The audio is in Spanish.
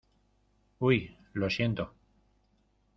¡ uy! lo siento.